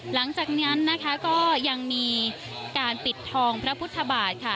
หลังจากนั้นนะคะก็ยังมีการปิดทองพระพุทธบาทค่ะ